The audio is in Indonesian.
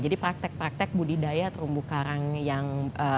jadi praktek praktek budidaya terumbu karang yang